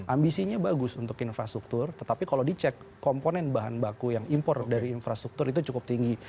ambisinya bagus untuk infrastruktur tetapi kalau dicek komponen bahan baku yang impor dari infrastruktur itu cukup tinggi